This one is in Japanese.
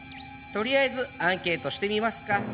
とりあえずアンケートしてみますか。